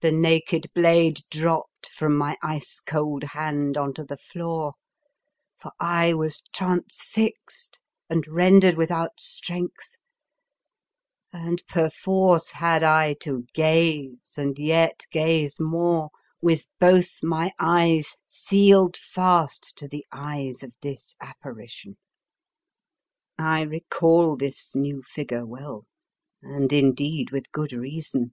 The naked blade dropped from my ice cold hand on to the floor, for I was transfixed and rendered without strength; and perforce had I to gaze and yet gaze more, with both my eyes sealed fast to the eyes of this apparition. I recall this new figure well, and, in deed, with good reason.